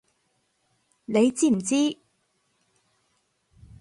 你知唔知！